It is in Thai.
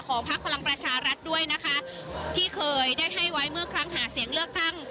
พักพลังประชารัฐด้วยนะคะที่เคยได้ให้ไว้เมื่อครั้งหาเสียงเลือกตั้ง